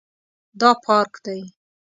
دا پارک دی